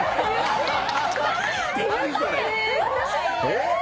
えっ？